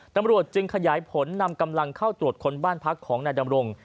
ดำรวจจึงขยายผลมิดสมัยความนำกำลังเข้าผู้ตรวจของบั้นพักของบ้านดำรง